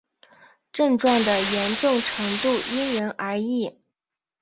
症状的严重程度因人而异。